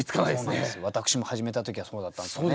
そうなんです私も始めた時はそうだったんですよね。